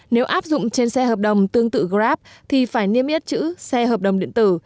nếu áp dụng trên xe hợp đồng tương tự grab thì phải niêm yết chữ xe hợp đồng điện tử